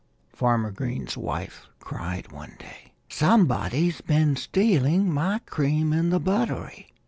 Farmer Green's wife cried one day. "Somebody's been stealing my cream in the buttery."